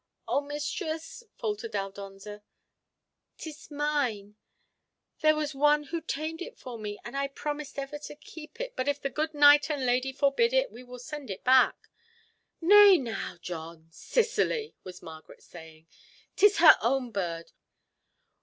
"Oh, mistress," faltered Aldonza, "'tis mine—there was one who tamed it for me, and I promised ever to keep it, but if the good knight and lady forbid it, we will send it back." "Nay now, John, Cicely," was Margaret saying, "'tis her own bird!